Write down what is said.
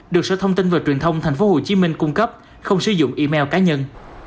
được sở thông tin và truyền thông tp hcm cung cấp không sử dụng email cá nhân